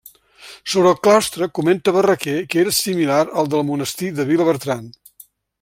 Sobre el claustre comenta Barraquer que era similar al del Monestir de Vilabertran.